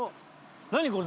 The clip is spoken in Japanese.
何これ。